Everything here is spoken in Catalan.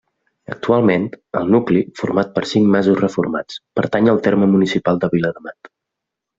Actualment, el nucli, format per cinc masos reformats pertany al terme municipal de Viladamat.